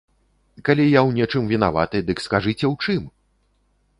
Калі я ў нечым вінаваты, дык скажыце ў чым!